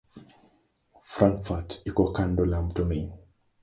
Frankfurt iko kando la mto Main.